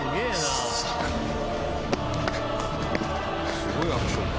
すごいアクションだ。